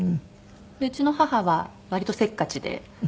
でうちの母は割とせっかちで。